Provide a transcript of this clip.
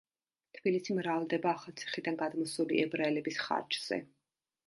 თბილისი მრავლდება ახალციხიდან გადმოსული ებრაელების ხარჯზე.